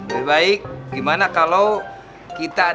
lebih baik gimana kalau kita adakan rupanya